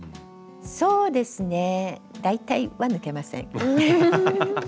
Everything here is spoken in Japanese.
そうですね大体は抜けません。